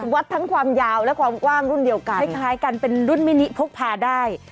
วัดทั้งความยาวและความกว้างรุ่นเดียวกันคล้ายกันเป็นรุ่นมินิพกพาได้